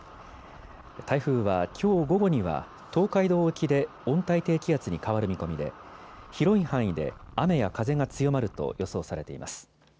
台風はきょう午後には東海道沖で温帯低気圧に変わる見込みで、広い範囲で雨や風が強まると予想されています。